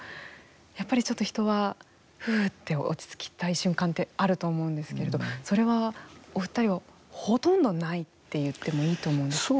やっぱりちょっと、人はふーって落ち着きたい瞬間ってあると思うんですけれどそれはお二人はほとんどないっていってもいいと思うんですけど。